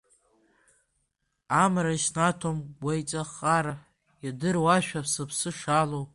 Амра иснаҭом гәеиҵахара, иадыруашәа сыԥсы шалоу.